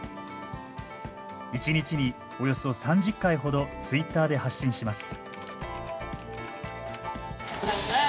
一日におよそ３０回ほどツイッターで発信します。